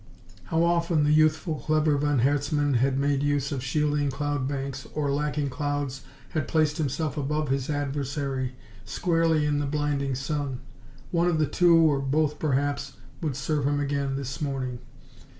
How often the youthful, clever von Herzmann had made use of shielding cloud banks, or lacking clouds had placed himself above his adversary, squarely in the blinding sun. One of the two, or both perhaps, would serve him again this morning.